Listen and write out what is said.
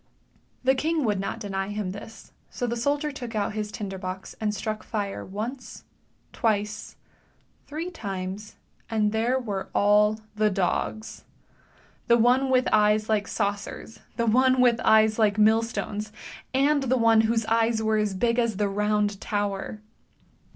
The king would not deny him this, so the soldier took out his tinder box and struck fire, once, twice, three times, and there were all the dogs. The one with eyes like saucers, the one with eyes like millstones, and the one whose eyes were as big as the Round Tower.